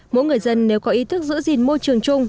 mỗi người dân nếu có ý thức giữ gìn môi trường chung